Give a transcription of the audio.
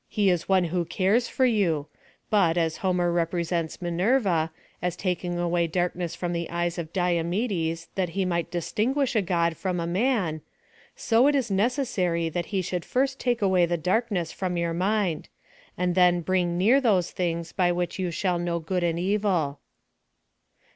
— He is one who cares for yoii ; but, as Homer repre sents Minerva, as taking away darkness from the eyes of Dio medes, that he might distinguisk a God from a man : so it is ne cessary that he should first take away the darknes.' from your mind; and then bring near those things by which yousliallknow good and evil.